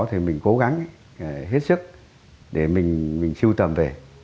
thì mình cố gắng hết sức để mình sưu tầm về